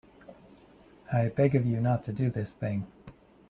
I beg of you not to do this thing.